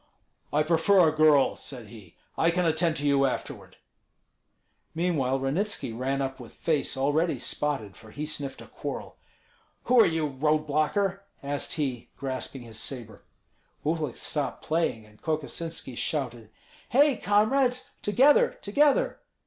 "I prefer a girl," said he; "I can attend to you afterward." Meanwhile Ranitski ran up with face already spotted, for he sniffed a quarrel. "Who are you, road blocker?" asked he, grasping his sabre. Uhlik stopped playing, and Kokosinski shouted, "Hei, comrades! together, together!"